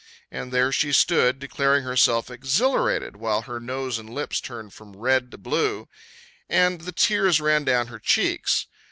And there she stood, declaring herself exhilarated, while her nose and lips turned from red to blue, and the tears ran down her cheeks.